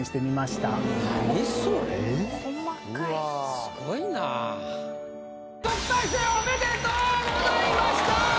すごいなぁ。おめでとうございました！